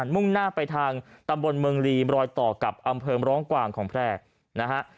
มุ่งหน้าไปทางตำบลเมืองลีบรอยต่อกับอำเภอร้องกวางของแพร่นะฮะ